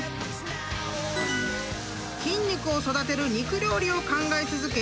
［筋肉を育てる肉料理を考え続け